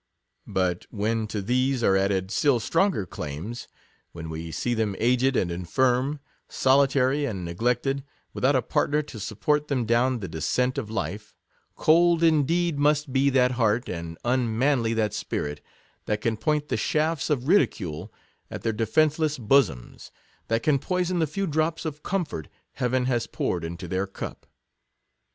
But when to these are added still stronger claims — when we see them aged and infirm, solitary and neglected, without a part ner to support them down the descent of life —cold indeed must be that heart, and un manly that spirit, that can point the shafts of ridicule at their defenceless bosoms — that can poison the few drops of comfort heaven has poured into their cup.